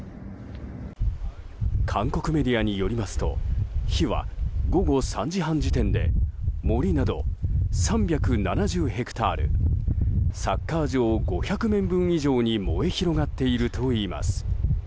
韓国メディアによりますと火は午後３時半時点で森など３７０ヘクタールサッカー場５００面分以上に燃え広がっているといいます。